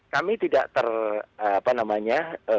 kami tidak ter apa namanya